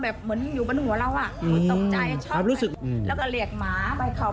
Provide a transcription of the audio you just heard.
แบบเหมือนอยู่บ้านหัวเราอ่ะอืมอยากชอบแหลกหมาใบข่าว